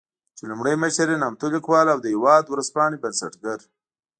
چې لومړی مشر يې نامتو ليکوال او د "هېواد" ورځپاڼې بنسټګر